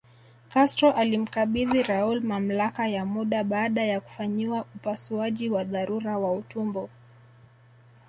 Castro alimkabidhi Raul mamlaka ya muda baada ya kufanyiwa upasuaji wa dharura wa utumbo